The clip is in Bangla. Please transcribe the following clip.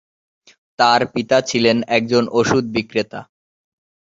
তার পিতা ছিলেন একজন ওষুধ বিক্রেতা।